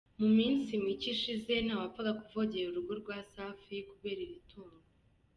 Mu minsi mike ishize, ntawapfaga kuvogera urugo rwa Safi kubera iri tungo.